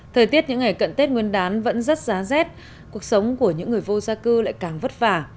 thời tiết những ngày cận tết nguyên đán vẫn rắt giá rét cuộc sống của những người vô gia cư lại càng vất vả